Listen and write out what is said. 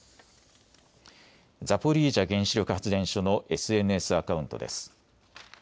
ザポリージャ原子力発電所のＳＮＳアカウントです。